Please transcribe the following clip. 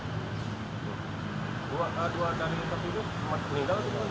dua dari petugas meninggal